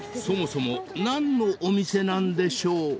［そもそも何のお店なんでしょう？］